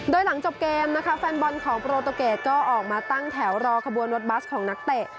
โดยหลังจบเกมนะคะแฟนบอลของโปรตูเกรดก็ออกมาตั้งแถวรอขบวนรถบัสของนักเตะ